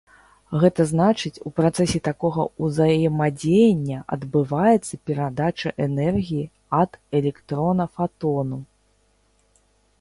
Гэта значыць, у працэсе такога ўзаемадзеяння адбываецца перадача энергіі ад электрона фатону.